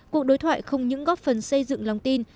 cuộc đối thoại không những góp phần xây dựng lòng tin